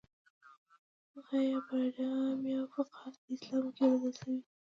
فقهي پاراډایم یا فقاهتي اسلام کې روزل شوي دي.